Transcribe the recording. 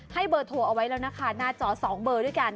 เบอร์โทรเอาไว้แล้วนะคะหน้าจอ๒เบอร์ด้วยกัน